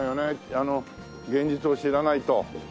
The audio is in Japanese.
あの現実を知らないと。